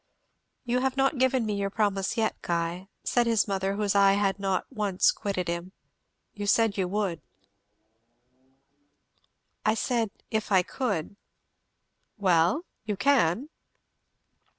"You have not given me your promise yet, Guy," said his mother, whose eye had not once quitted him. "You said you would." "I said, if I could." "Well? you can?"